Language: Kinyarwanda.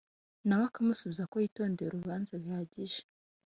nawe akamusubuza ko yitondeye urubanza bihagije,